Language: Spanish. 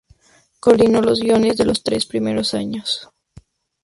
Coordinó los guiones de los tres primeros años.